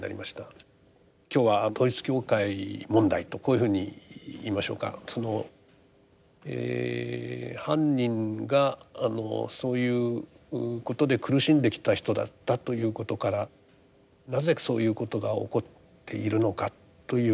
今日は統一教会問題とこういうふうにいいましょうかその犯人があのそういうことで苦しんできた人だったということからなぜそういうことが起こっているのかということ。